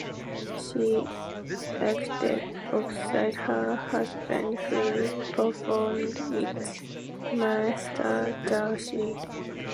She acted opposite her husband, who performed its Mr. Darcy.